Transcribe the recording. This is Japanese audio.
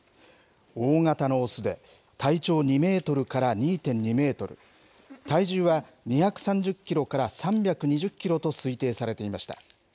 大型の雄で、体長２メートルから２．２メートル、体重は２３０キロから３２０キロと推定されていました。